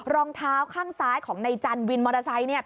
รองเท้าข้างซ้ายของนายจันวินมอเตอร์ไซต์